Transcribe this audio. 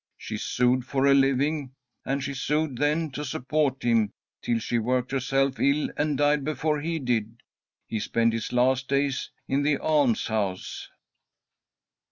She sewed for a living, and she sewed then to support him, till she worked herself ill and died before he did. He spent his last days in the almshouse."